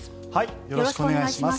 よろしくお願いします。